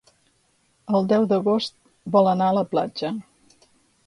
El deu d'agost vol anar a la platja.